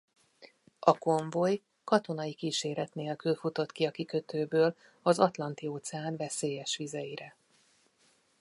A konvoj katonai kíséret nélkül futott ki a kikötőből az Atlanti-óceán veszélyes vizeire.